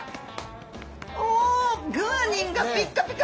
おグアニンがピッカピカ！